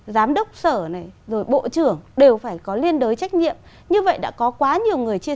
giám đốc sở này rồi bộ trưởng đều phải có liên đối trách nhiệm như vậy đã có quá nhiều người chia